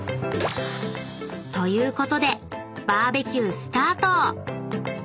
［ということでバーベキュースタート！］